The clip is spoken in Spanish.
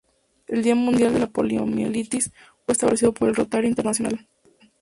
El Día Mundial de la Poliomielitis fue establecido por el Rotary International.